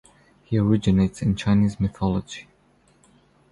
He originates in Chinese mythology.